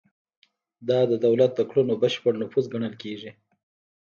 دا د دولت د کړنو بشپړ نفوذ ګڼل کیږي.